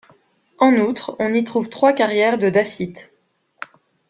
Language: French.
En outre, on y trouve trois carrières de dacite.